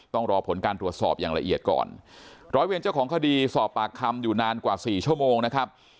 ต้องรอผลการตรวจสอบอย่างละเอียดก่อนร้อยเวรเจ้าของคดีสอบปากคำอยู่นานกว่าสี่ชั่วโมงนะครับ